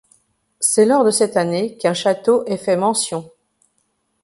C'est lors de cette année qu'un château est fait mention.